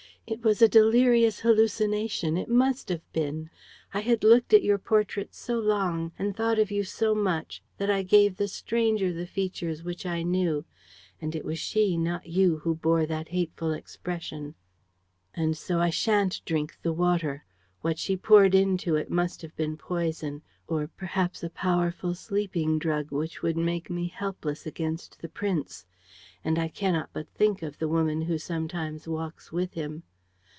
It was a delirious hallucination, it must have been. I had looked at your portrait so long and thought of you so much that I gave the stranger the features which I knew; and it was she, not you, who bore that hateful expression. "And so I sha'n't drink the water. What she poured into it must have been poison ... or perhaps a powerful sleeping drug which would make me helpless against the prince. ... And I cannot but think of the woman who sometimes walks with him.